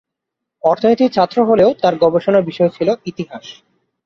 অর্থনীতির ছাত্র হলেও তার গবেষণার বিষয় ছিল ইতিহাস।